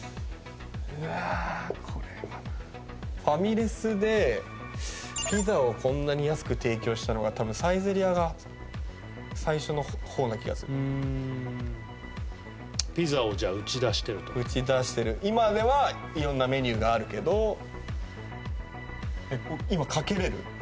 ファミレスでピザをこんなに安く提供したのがたぶんサイゼリヤが最初の方な気がするピザを打ち出してると打ち出してる今ではいろんなメニューがあるけど今かけれる？